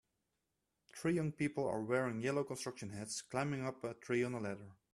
Three young people are wearing yellow construction hats climbing up a tree on a ladder.